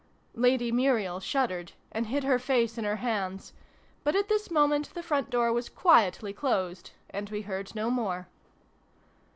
Lady Muriel shuddered, and hid her face in her hands : but at this moment the front door was quietly closed, and we heard no more.